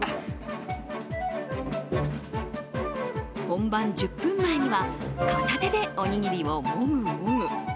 本番１０分前には片手でおにぎりをモグモグ。